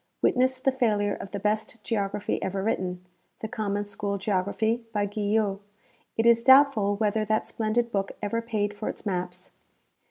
Witness the failure of the best geography ever written, the Com mon School Geography by Guyot. It is doubtful wdiether that splendid book ever paid for its maps.